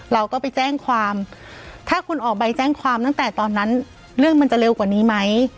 เราก็ไปแจ้งความถ้าคุณออกใบแจ้งความตั้งแต่ตอนนั้นเรื่องมันจะเร็วกว่านี้ไหม